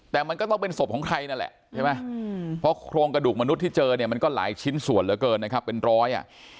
แต่มันก็ต้องเป็นศพของใครนั่นแหละใช่ไหมเพราะโครงกระดูกมนุษย์ที่เจอเนี่ยมันก็หลายชิ้นส่วนเหลือเกินนะครับเป็นร้อยอ่ะ